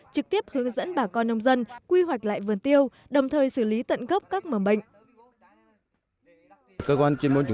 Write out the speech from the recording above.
trực tiếp hướng dẫn bà con nông dân quy hoạch lại vườn tiêu đồng thời xử lý tận gốc các mầm bệnh